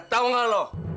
tau gak lo